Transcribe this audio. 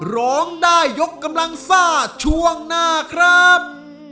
ร้องได้ยกกำลังซ่าช่วงหน้าครับ